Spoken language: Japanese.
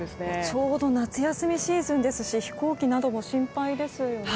ちょうど夏休みシーズンですし飛行機なども心配ですよね。